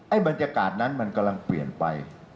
บรรยากาศนั้นมันกำลังเปลี่ยนไป